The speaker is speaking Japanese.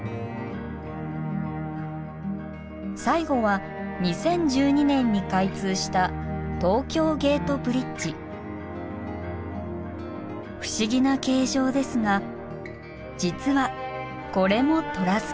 最後は２０１２年に開通した不思議な形状ですが実はこれもトラス橋。